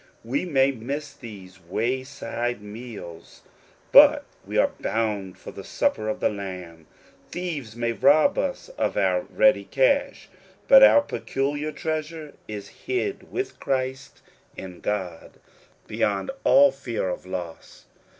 We may miss these wayside meals, but we are bound for The Supper of The Lamb. Thieves may rob us of our ready cash ; but our peculiar treasure is hid with Christ in God beyond all fear of loss.